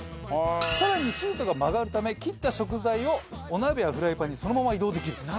更にシートが曲がるため切った食材をお鍋やフライパンにそのまま移動できる。